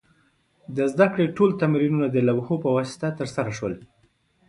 د زده کړې ټول تمرینونه د لوحو په واسطه ترسره شول.